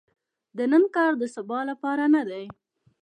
د نن کار د سبا لپاره نه دي .